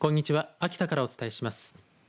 秋田からお伝えします。